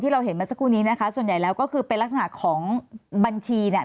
เราเห็นเมื่อสักครู่นี้นะคะส่วนใหญ่แล้วก็คือเป็นลักษณะของบัญชีเนี่ย